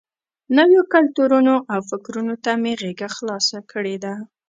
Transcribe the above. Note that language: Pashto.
نویو کلتورونو او فکرونو ته مې غېږه خلاصه کړې ده.